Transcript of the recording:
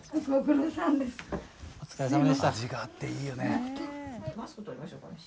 味があっていいよね。